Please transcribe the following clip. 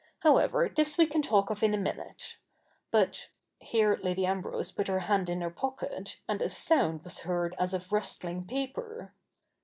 However, this we can talk of in a minute. But '— here Lady Ambrose put her hand in her pocket, and a sound was heard as of rustling paper.